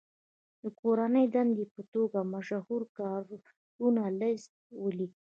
د کورنۍ دندې په توګه مشهورو کارونو لست ولیکئ.